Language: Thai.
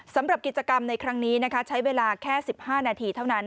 สำหรับกิจกรรมในครั้งนี้ใช้เวลาแค่๑๕นาทีเท่านั้น